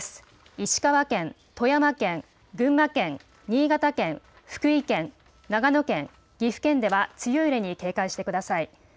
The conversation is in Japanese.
石川県、富山県、群馬県、新潟県、福井県、長野県、岐阜県では強い揺れに警戒してください。